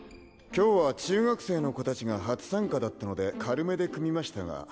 今日は中学生の子達が初参加だったので軽めで組みましたが。